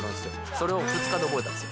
それを２日で覚えたんですよ。